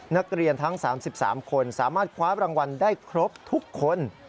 นักเรียนทั้ง๓๓คนสามารถคว้ารางวัลได้ครบทุกคน